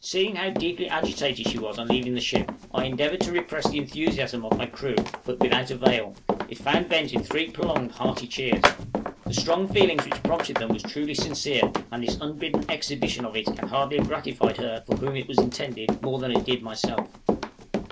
Seeing how deeply agitated she was on leaving the ship, I endeavored to repress the enthusiasm of my crew, but without avail; it found vent in three prolonged, hearty cheers. The strong feeling which prompted them was truly sincere; and this unbidden exhibition of it can hardly have gratified her for whom it was intended more than it did myself.